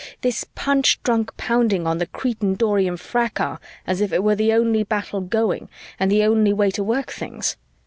This punch drunk pounding on the Cretan Dorian fracas as if it were the only battle going and the only way to work things.